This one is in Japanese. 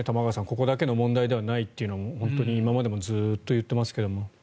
ここだけでの問題ではないというのは本当に今までもずっと言っていますけど。